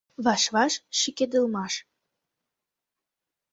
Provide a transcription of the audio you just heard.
Ваш-ваш шӱкедылмаш.